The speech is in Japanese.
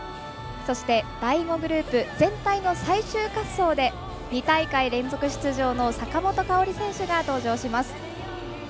そして第５グループ全体の最終滑走で２大会連続出場の坂本花織選手が登場します。